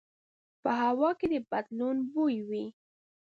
په هوا کې د بدلون بوی وي